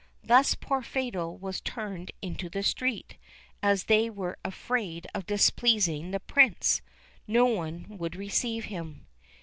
Thus poor Fatal was turned into the street, and as they were afraid of displeasing the Prince, no one would receive him.